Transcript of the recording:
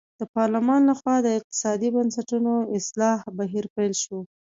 د پارلمان له خوا د اقتصادي بنسټونو اصلاح بهیر پیل شو.